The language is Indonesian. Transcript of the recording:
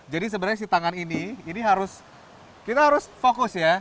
jadi sebenarnya si tangan ini ini harus kita harus fokus ya